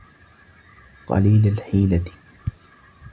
قَلِيلَ الْحِيلَةِ